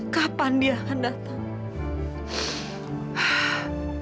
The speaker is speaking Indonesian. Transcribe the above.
kapan dia akan datang